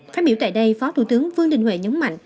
phát biểu tại đây phó thủ tướng vương đình huệ nhấn mạnh